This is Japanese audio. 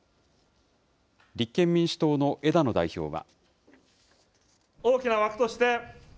立憲民主党の枝野代表は。